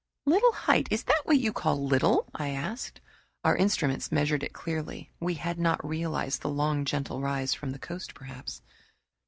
"Little height! Is that what you call little?" I asked. Our instruments measured it clearly. We had not realized the long gentle rise from the coast perhaps.